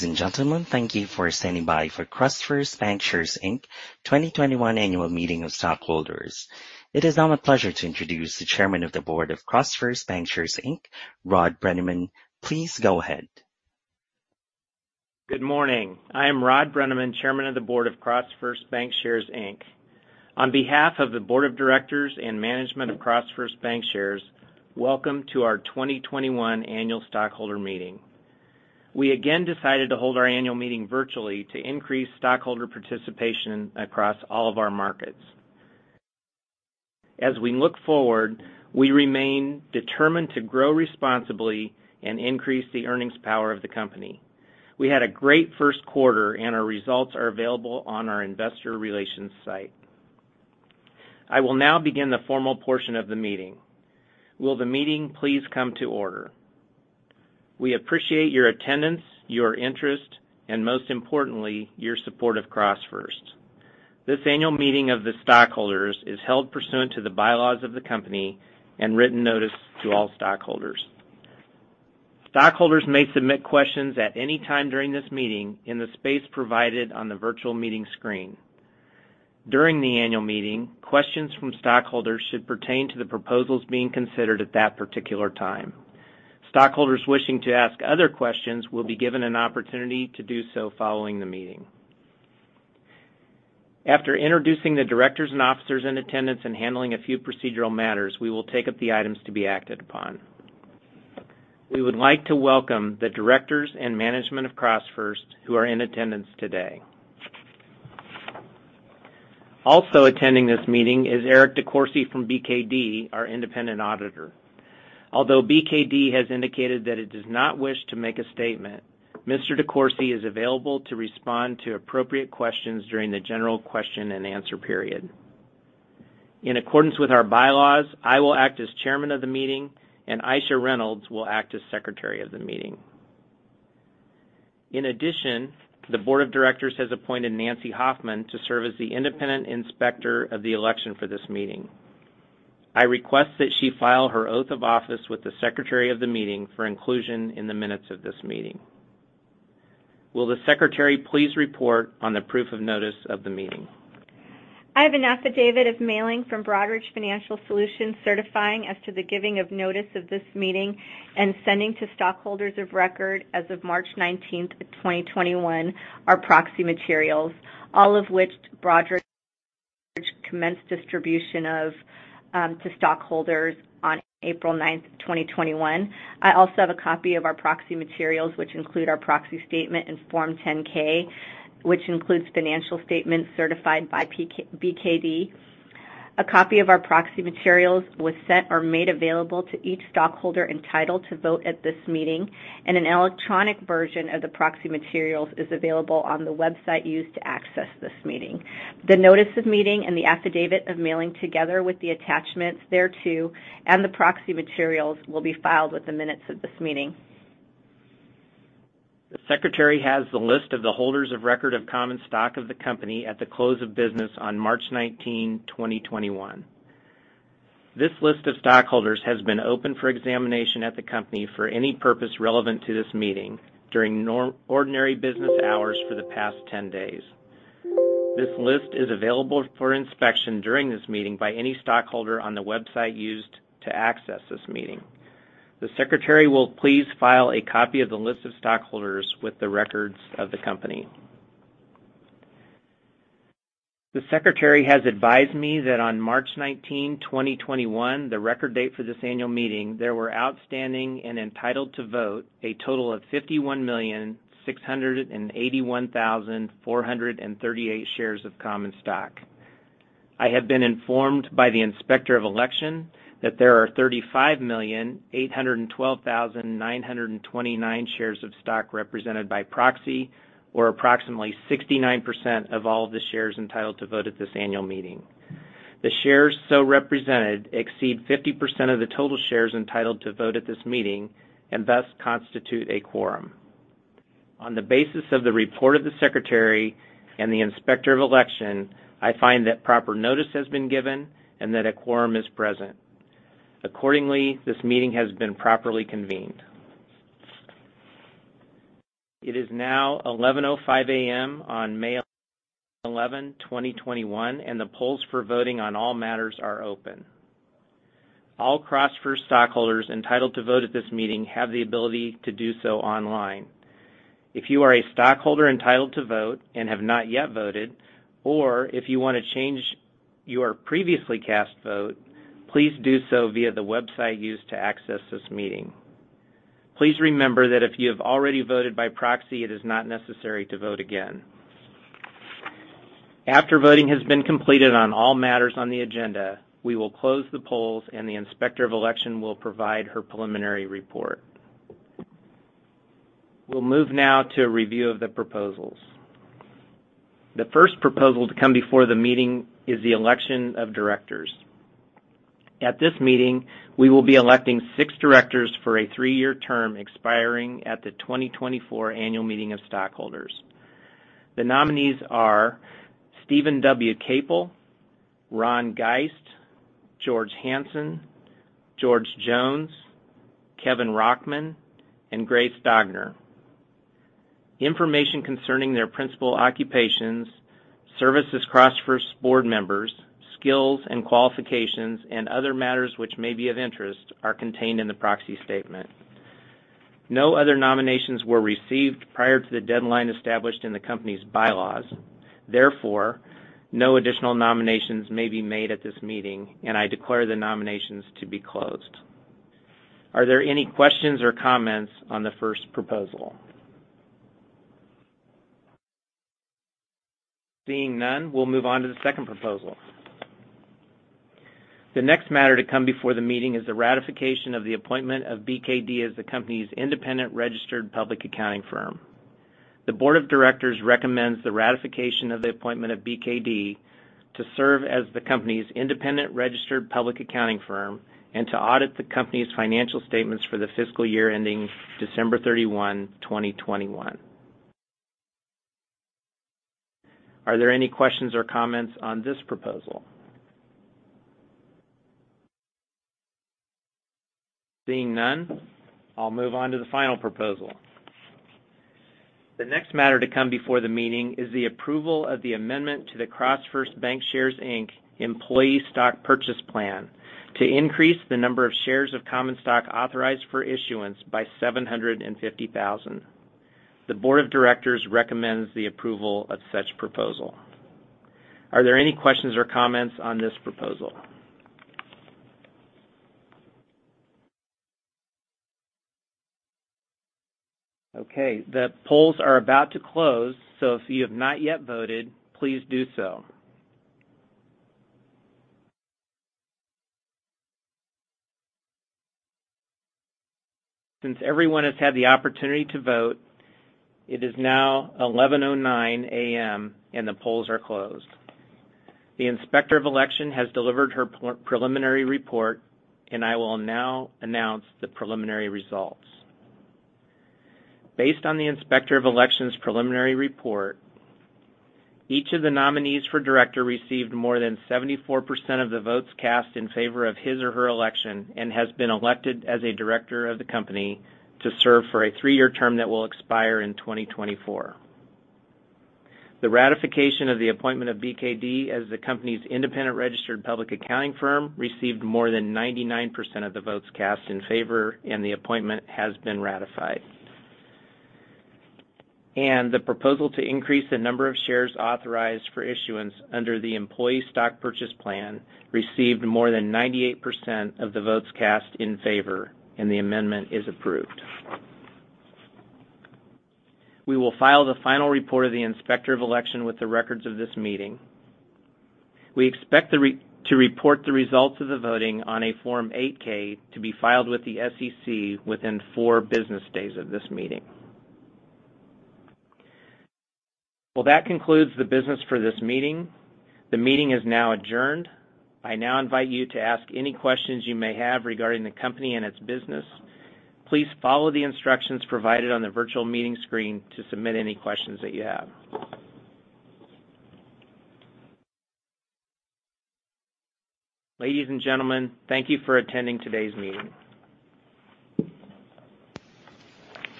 Ladies and gentlemen, thank you for standing by for CrossFirst Bankshares, Inc.'s 2021 Annual Meeting of Stockholders. It is now my pleasure to introduce the Chairman of the Board of CrossFirst Bankshares, Inc., Rod Brenneman. Please go ahead. Good morning. I am Rod Brenneman, Chairman of the Board of CrossFirst Bankshares, Inc. On behalf of the Board of Directors and management of CrossFirst Bankshares, welcome to our 2021 Annual Stockholder Meeting. We again decided to hold our annual meeting virtually to increase stockholder participation across all of our markets. As we look forward, we remain determined to grow responsibly and increase the earnings power of the company. We had a great first quarter, and our results are available on our investor relations site. I will now begin the formal portion of the meeting. Will the meeting please come to order? We appreciate your attendance, your interest, and most importantly, your support of CrossFirst. This annual meeting of the stockholders is held pursuant to the bylaws of the company and written notice to all stockholders. Stockholders may submit questions at any time during this meeting in the space provided on the virtual meeting screen. During the annual meeting, questions from stockholders should pertain to the proposals being considered at that particular time. Stockholders wishing to ask other questions will be given an opportunity to do so following the meeting. After introducing the directors and officers in attendance and handling a few procedural matters, we will take up the items to be acted upon. We would like to welcome the directors and management of CrossFirst who are in attendance today. Also attending this meeting is Eric DeCoursey from BKD, our independent auditor. Although BKD has indicated that it does not wish to make a statement, Mr. DeCoursey is available to respond to appropriate questions during the general question and answer period. In accordance with our bylaws, I will act as Chairman of the meeting, and Aisha Reynolds will act as Secretary of the meeting. In addition, the board of directors has appointed Nancy Hoffman to serve as the independent Inspector of Election for this meeting. I request that she file her oath of office with the Secretary of the meeting for inclusion in the minutes of this meeting. Will the Secretary please report on the proof of notice of the meeting? I have an affidavit of mailing from Broadridge Financial Solutions certifying as to the giving of notice of this meeting and sending to stockholders of record as of March 19th of 2021 our proxy materials, all of which Broadridge commenced distribution of to stockholders on April 9th, 2021. I also have a copy of our proxy materials, which include our proxy statement and Form 10-K, which includes financial statements certified by BKD. A copy of our proxy materials was sent or made available to each stockholder entitled to vote at this meeting, and an electronic version of the proxy materials is available on the website used to access this meeting. The notice of meeting and the affidavit of mailing, together with the attachments thereto and the proxy materials, will be filed with the minutes of this meeting. The secretary has the list of the holders of record of common stock of the company at the close of business on March 19, 2021. This list of stockholders has been open for examination at the company for any purpose relevant to this meeting during ordinary business hours for the past 10 days. This list is available for inspection during this meeting by any stockholder on the website used to access this meeting. The secretary will please file a copy of the list of stockholders with the records of the company. The secretary has advised me that on March 19, 2021, the record date for this annual meeting, there were outstanding and entitled to vote a total of 51,681,438 shares of common stock. I have been informed by the Inspector of Election that there are 35,812,929 shares of stock represented by proxy, or approximately 69% of all the shares entitled to vote at this annual meeting. The shares so represented exceed 50% of the total shares entitled to vote at this meeting and thus constitute a quorum. On the basis of the report of the Secretary and the Inspector of Election, I find that proper notice has been given and that a quorum is present. Accordingly, this meeting has been properly convened. It is now 11:05 A.M. on May 11, 2021, and the polls for voting on all matters are open. All CrossFirst stockholders entitled to vote at this meeting have the ability to do so online. If you are a stockholder entitled to vote and have not yet voted, or if you want to change your previously cast vote, please do so via the website used to access this meeting. Please remember that if you have already voted by proxy, it is not necessary to vote again. After voting has been completed on all matters on the agenda, we will close the polls, and the Inspector of Election will provide her preliminary report. We'll move now to a review of the proposals. The first proposal to come before the meeting is the election of directors. At this meeting, we will be electing six directors for a three-year term expiring at the 2024 annual meeting of stockholders. The nominees are Steven W. Caple, Ron Geist, George Hansen, George Jones, Kevin Rauckman, and Grey Stogner. Information concerning their principal occupations, service as CrossFirst board members, skills and qualifications, and other matters which may be of interest are contained in the proxy statement. No other nominations were received prior to the deadline established in the company's bylaws. Therefore, no additional nominations may be made at this meeting, and I declare the nominations to be closed. Are there any questions or comments on the first proposal? Seeing none, we'll move on to the second proposal. The next matter to come before the meeting is the ratification of the appointment of BKD as the company's independent registered public accounting firm. The board of directors recommends the ratification of the appointment of BKD to serve as the company's independent registered public accounting firm and to audit the company's financial statements for the fiscal year ending December 31, 2021. Are there any questions or comments on this proposal? Seeing none, I'll move on to the final proposal. The next matter to come before the meeting is the approval of the amendment to the CrossFirst Bankshares, Inc. employee stock purchase plan to increase the number of shares of common stock authorized for issuance by 750,000. The board of directors recommends the approval of such proposal. Are there any questions or comments on this proposal? Okay. The polls are about to close, so if you have not yet voted, please do so. Since everyone has had the opportunity to vote, it is now 11:09 A.M. and the polls are closed. The Inspector of Election has delivered her preliminary report, and I will now announce the preliminary results. Based on the Inspector of Election's preliminary report, each of the nominees for director received more than 74% of the votes cast in favor of his or her election and has been elected as a director of the company to serve for a three-year term that will expire in 2024. The ratification of the appointment of BKD as the company's independent registered public accounting firm received more than 99% of the votes cast in favor, and the appointment has been ratified. The proposal to increase the number of shares authorized for issuance under the employee stock purchase plan received more than 98% of the votes cast in favor, and the amendment is approved. We will file the final report of the Inspector of Election with the records of this meeting. We expect to report the results of the voting on a Form 8-K to be filed with the SEC within four business days of this meeting. Well, that concludes the business for this meeting. The meeting is now adjourned. I now invite you to ask any questions you may have regarding the company and its business. Please follow the instructions provided on the virtual meeting screen to submit any questions that you have. Ladies and gentlemen, thank you for attending today's meeting.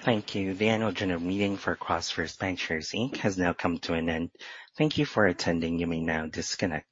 Thank you. The annual general meeting for CrossFirst Bankshares Inc. has now come to an end. Thank you for attending. You may now disconnect.